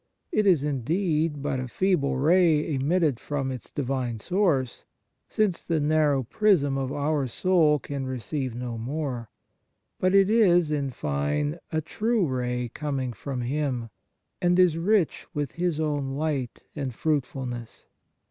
It is, indeed, but a feeble ray emitted from its divine source, since the narrow prism of our soul can receive no more ; but it is, in fine, a true ray coming from Him, and is rich with His own light and fruit fulness.